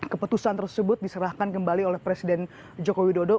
keputusan tersebut diserahkan kembali oleh presiden jokowi dodo